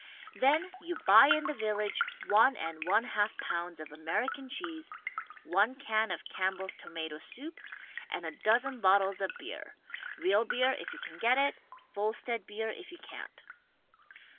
Then you buy in the village one and one half pounds of American cheese, one can of Campbell's Tomato Soup and a dozen bottles of beer — real beer, if you can get it, Volstead beer if you can't.